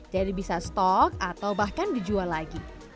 jadi bisa stok atau bahkan dijual lagi